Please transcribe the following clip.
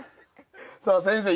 さあ先生